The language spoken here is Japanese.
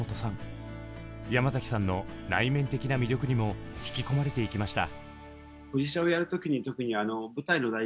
山崎さんの内面的な魅力にも引き込まれていきました。